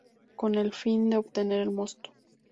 Las uvas son aplastadas con el fin de obtener el mosto.